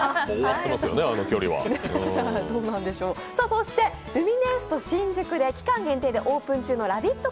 そしてルミネエスト新宿で期間限定でオープン中のラヴィット！